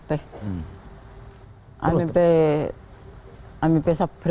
saya sudah berusir